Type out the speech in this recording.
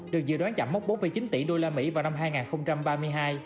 được dự đoán chẳng mốc bốn mươi chín tỷ usd vào năm hai nghìn ba mươi hai